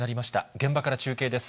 現場から中継です。